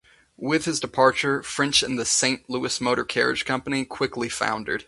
With his departure, French and the "Saint Louis Motor Carriage Company" quickly foundered.